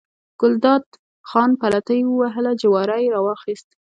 ګلداد خان پلتۍ ووهله، جواری یې راواخیست.